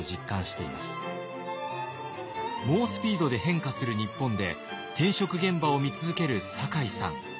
猛スピードで変化する日本で転職現場を見続ける酒井さん。